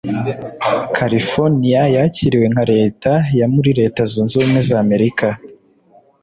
California yakiriwe nka leta ya muri Leta zunze ubumwe za Amerika